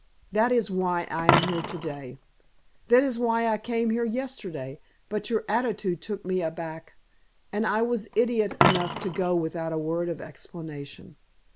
That is why I am here to day. That is why I came here yesterday, but your attitude took me aback, and I was idiot enough to go without a word of explanation.